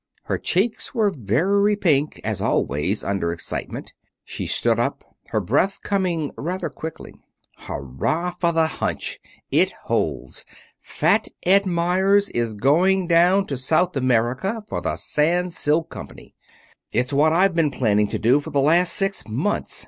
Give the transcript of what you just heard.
Her cheeks were very pink as always under excitement. She stood up, her breath coming rather quickly. "Hurray for the hunch! It holds. Fat Ed Meyers is going down to South America for the Sans Silk Company. It's what I've been planning to do for the last six months.